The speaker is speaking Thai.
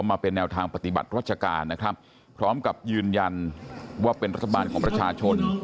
มาเป็นแนวทางปฏิบัติรัชการนะครับพร้อมกับยืนยันว่าเป็นรัฐบาลของประชาชน